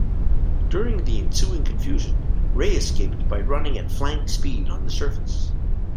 During the ensuing confusion, Ray escaped by running at flank speed on the surface.